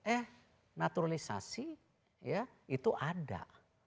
eh naturalisasi ya itu ada